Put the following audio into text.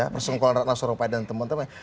persengkolaan ratna sarumpahit dan teman temannya